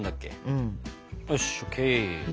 うん。よしＯＫ